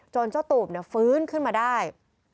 จนเจ้าตูบเนี่ยฟื้นขึ้นมาได้